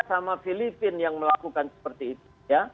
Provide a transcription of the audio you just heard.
sama filipina yang melakukan seperti itu ya